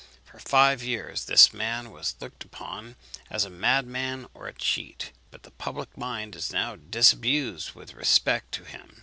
For five years this man was looked upon as a madman or a cheat; but the public mind is now disabused with respect to him.